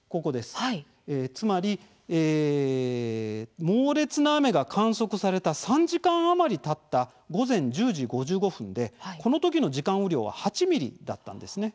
つまり猛烈な雨が観測された３時間余りたった午前１０時５５分でこのときの時間雨量は８ｍｍだったんですね。